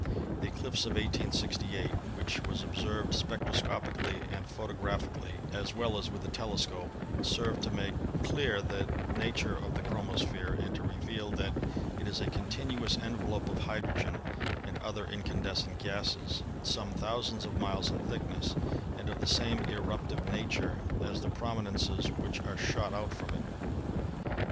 The eclipse of 1868, which was observed spectroscopically and photographically as well as with the telescope, served to make clear the nature of the chromosphere and to reveal that it is a continuous envelope of hydrogen and other incandescent gases, some thousands of miles in thickness and of the same eruptive nature as the prominences which are shot out from it.